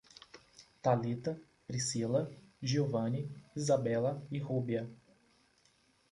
Talita, Priscila, Giovani, Isabela e Rúbia